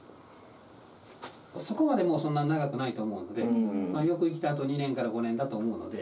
そこまでもうそんな長くないと思うので、よく生きてあと２年から５年だと思うので。